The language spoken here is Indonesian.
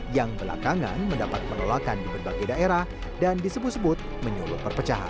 yang belakangan mendapat penolakan di berbagai daerah dan disebut sebut menyulut perpecahan